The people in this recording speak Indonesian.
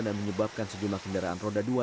dan menyebabkan sejumlah kendaraan roda dua